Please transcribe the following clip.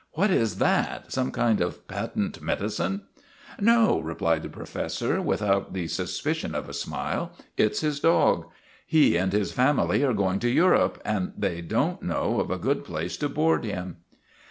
" What is that some kind of patent medi cine ?"' No," replied the professor, without the sus picion of a smile, " it 's his dog. He and his family are going to Europe and they don't know of a good place to board him."